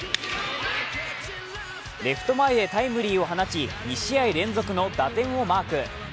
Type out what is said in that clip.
レフト前へタイムリーを放ち、２試合連続の打点をマーク。